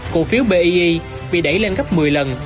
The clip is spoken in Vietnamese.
cổ phiếu bie bị đẩy lên gấp một mươi lần